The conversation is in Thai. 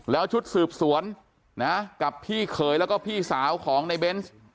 แล้วชุดสืบสวนนะกับพี่เขยแล้วก็พี่สาวของในเบนส์